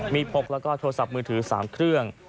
มีพกแล้วก็โทรศัพท์มือถือ๓เครื่อง